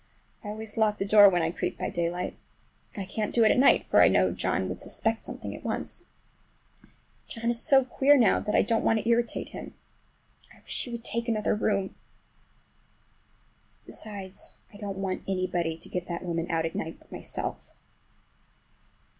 I always lock the door when I creep by daylight. I can't do it at night, for I know John would suspect something at once. And John is so queer now, that I don't want to irritate him. I wish he would take another room! Besides, I don't want anybody to get that woman out at night but myself.